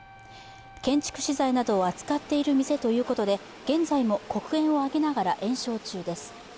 建築資材などを扱っている店ということで、現在も黒煙を上げながら延焼中です。